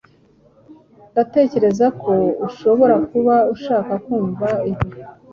Ndatekereza ko ushobora kuba ushaka kumva ibi.